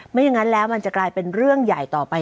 ไม่อย่างนั้นแล้วมันจะกลายเป็นเรื่องใหญ่ต่อไป